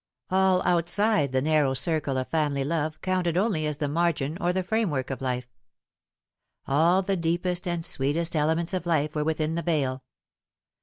All outside the narrow circle of family love counted only as the margin or the frame work of life. All the deepest and sweetest elements of life were within the veil.